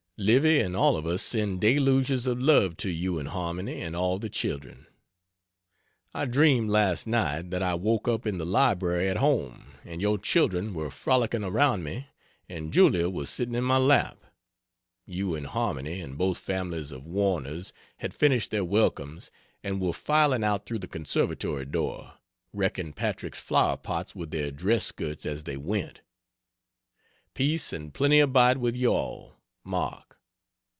Livy and all of us send deluges of love to you and Harmony and all the children. I dreamed last night that I woke up in the library at home and your children were frolicing around me and Julia was sitting in my lap; you and Harmony and both families of Warners had finished their welcomes and were filing out through the conservatory door, wrecking Patrick's flower pots with their dress skirts as they went. Peace and plenty abide with you all! MARK.